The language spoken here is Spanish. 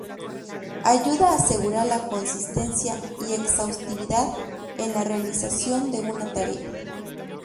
Ayuda a asegurar la consistencia y exhaustividad en la realización de una tarea.